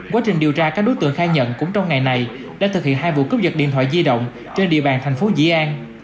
quá trình điều tra các đối tượng khai nhận cũng trong ngày này đã thực hiện hai vụ cướp dật điện thoại di động trên địa bàn thành phố dĩ an